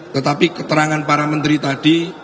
tetapi keterangan para menteri tadi